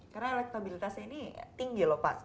karena elektabilitasnya ini tinggi loh pak